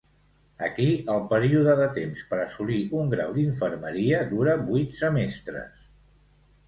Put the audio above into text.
Aquí el període de temps per assolir un grau d'infermeria dura vuit semestres.